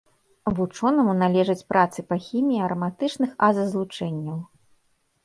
Вучонаму належаць працы па хіміі араматычных азазлучэнняў.